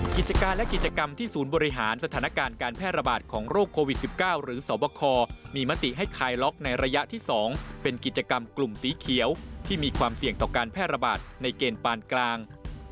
กิจการและกิจกรรมที่ศูนย์บริหารสถานการณ์การแพร่ระบาดของโรคโควิด๑๙หรือสวบคมีมติให้คลายล็อกในระยะที่๒เป็นกิจกรรมกลุ่มสีเขียวที่มีความเสี่ยงต่อการแพร่ระบาดในเกณฑ์ปานกลาง